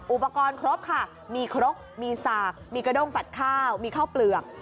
อุปกรณ์ครบค่ะมีครกมีสากมีกระด้งฝัดข้าวมีข้าวเปลือก